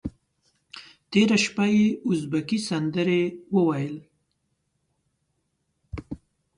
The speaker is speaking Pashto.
تېره شپه یې ازبکي سندره وویله.